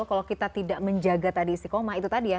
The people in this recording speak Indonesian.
kalau kita tidak menjaga tadi istiqomah itu tadi ya